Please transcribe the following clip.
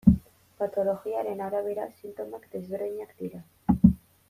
Patologiaren arabera sintomak desberdinak dira.